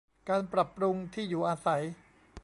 การปรับปรุงที่อยู่อาศัย